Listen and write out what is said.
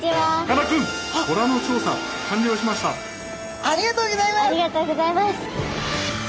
ありがとうございます。